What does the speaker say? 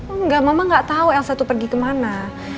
enggak mama gak tau elsa itu pergi kemana